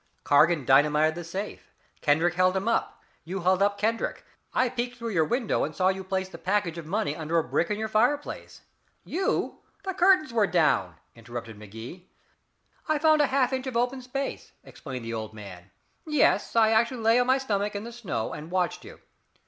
Cargan dynamited the safe. Kendrick held him up; you held up Kendrick. I peeked through your window and saw you place the package of money under a brick in your fireplace " "You the curtains were down," interrupted Magee. "I found a half inch of open space," explained the old man. "Yes, I actually lay on my stomach in the snow and watched you.